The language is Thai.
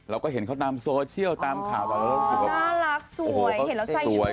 เราก็เห็นเขาตามโซเชียลตามข่าวน่ารักสวยเห็นแล้วใจชุดกว่าเนอะ